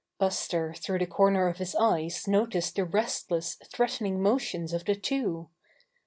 Buster through the corner of his eyes no ticed the restless, threatening motions of the two.